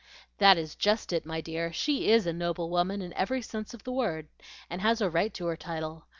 "That is just it, my dear; she IS a noble woman in every sense of the word, and has a right to her title.